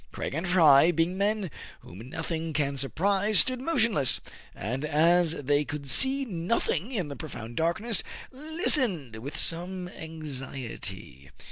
Craig and Fry, being men whom nothing can surprise, stood motionless, and, as they could see nothing in the profound darkness, listened with some anxiety.